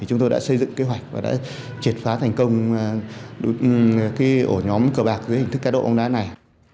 chúng tôi đã xây dựng kế hoạch và đã triệt phá thành công ổ nhóm cờ bạc dưới hình thức cá độ bóng đá này